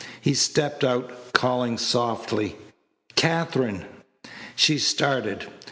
He stepped out, calling softly: "Katherine!" She started.